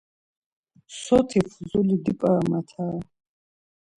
Soti fuzuli dip̌aramitare!